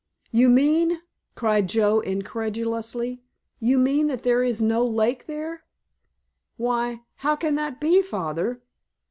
"You mean"—cried Joe, incredulously—"you mean that there is no lake there? Why, how can that be, Father?